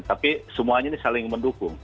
tapi semuanya ini saling mendukung